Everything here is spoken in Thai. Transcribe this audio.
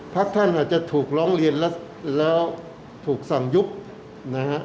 พักท่านอาจจะถูกร้องเรียนแล้วถูกสั่งยุบนะฮะ